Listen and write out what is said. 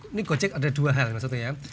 ini gojek ada dua hal maksudnya ya